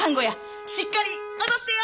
しっかり踊ってや！